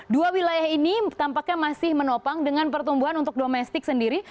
dua wilayah ini tampaknya masih menopang dengan pertumbuhan untuk domestik sendiri